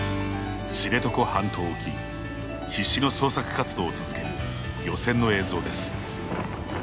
知床半島沖、必死の捜索活動を続ける漁船の映像です。